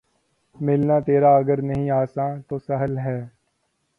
ملنا تیرا اگر نہیں آساں‘ تو سہل ہے